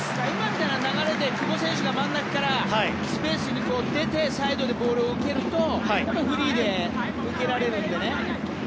今みたいな流れで久保選手が真ん中からスペースに出てサイドでボールを受けるとフリーで受けられるのでね。